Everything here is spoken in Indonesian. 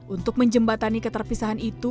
untuk menjembatani keterpisahan itu